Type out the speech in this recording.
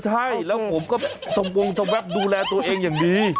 ใช่แล้วผมก็สมวงสมแวบดูแลตัวเองอย่างดี